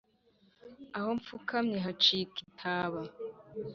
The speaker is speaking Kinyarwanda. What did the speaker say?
aho mfukamye hacika itaba.